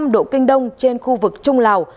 một trăm linh năm độ kinh đông trên khu vực trung lào